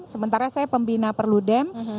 sementara saya pembina perlu dem